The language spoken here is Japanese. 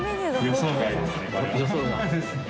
予想外ですね。